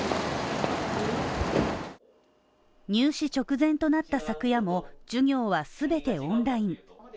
入試直前となった昨夜も、授業は全てオンライン。